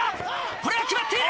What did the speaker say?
これは決まっている！